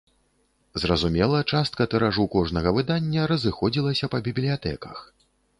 Зразумела, частка тыражу кожнага выдання разыходзілася па бібліятэках.